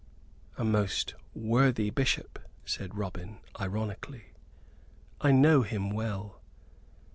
"A most worthy Bishop," said Robin, ironically; "I know him well."